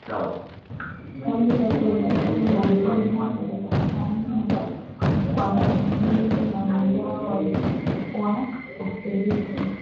kabla ya kuelekea Madrid Uhispania kwa mazungumzo na wenzao wa ushirika